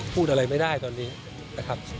พูดอะไรไม่ได้ตอนนี้นะครับ